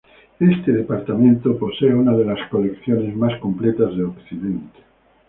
Este departamento posee una de las colecciones más completas de Occidente.